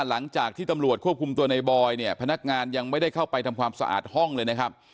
หลังจากที่ตำรวจควบคุมตัวในบอยเนี่ยพนักงานยังไม่ได้เข้าไปทำความสะอาดห้องเลยนะครับ